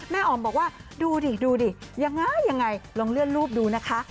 แม่อ๋อมบอกว่าดูดียิ้างไงอย่างไงล้องเลื่อนรูปดูนะคะ